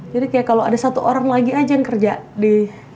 jadi kayak kalau ada satu orang lagi aja yang kerja di